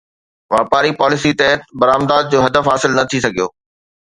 واپاري پاليسي تحت برآمدات جو هدف حاصل نه ٿي سگهيو